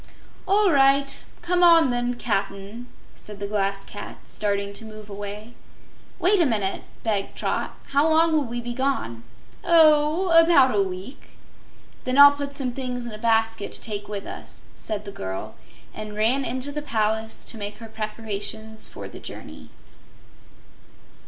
"All right. Come on, then, Cap'n," said the Glass Cat, starting to move away. "Wait a minute," begged Trot. "How long will we be gone?" "Oh, about a week." "Then I'll put some things in a basket to take with us," said the girl, and ran into the palace to make her preparations for the journey.